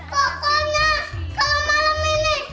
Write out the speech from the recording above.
pokoknya kalau malam ini